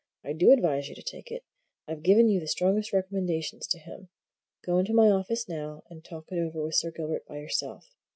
"I do advise you to take it. I've given you the strongest recommendations to him. Go into my office now and talk it over with Sir Gilbert by yourself.